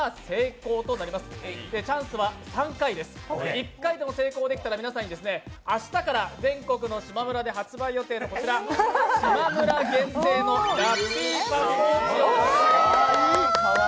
１回でも成功できたら皆さんに明日から全国のしまむらで発売予定のしまむら限定のラッピーパスポーチを差し上げます。